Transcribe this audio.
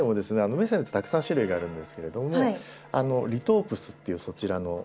メセンってたくさん種類があるんですけれどもリトープスっていうそちらの。